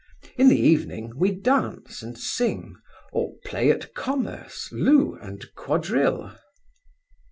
In the evening we dance and sing, or play at commerce, loo, and quadrille.